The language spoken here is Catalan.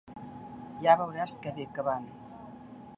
Ja veuràs què bé que van.